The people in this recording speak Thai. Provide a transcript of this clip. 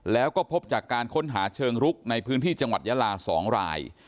แล้วก็พบจากการค้นหาเชิงรุกในพื้นที่จังหวัดยาลา๒ราย